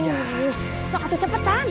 aduh sokatu cepetan